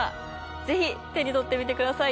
ぜひ手に取ってみてください